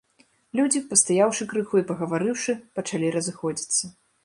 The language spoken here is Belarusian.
Людзі, пастаяўшы крыху і пагаварыўшы, пачалі разыходзіцца.